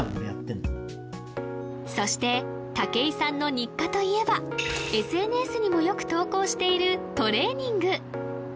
やってんのそして武井さんの日課といえばＳＮＳにもよく投稿しているトレーニング